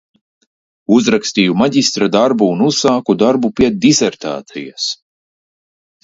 Uzrakstīju maģistra darbu un uzsāku darbu pie disertācijas.